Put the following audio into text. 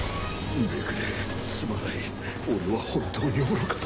目暮すまない俺は本当に愚かだ。